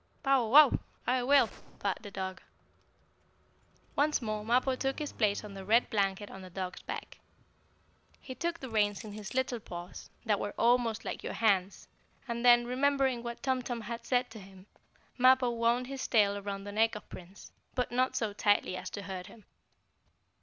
"Bow wow! I will!" barked the dog. Once more Mappo took his place on the red blanket on the dog's back. He took the reins in his little paws, that were almost like your hands, and then, remembering what Tum Tum had said to him, Mappo wound his tail around the neck of Prince, but not so tightly as to hurt him.